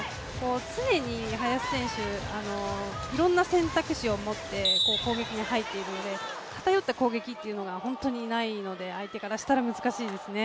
常に林選手、いろんな選択肢を持って攻撃に入っているので偏った攻撃というのが本当にないので、相手からしたら難しいですね。